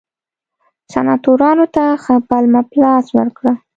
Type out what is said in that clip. سناتورانو ته ښه پلمه په لاس ورکړه.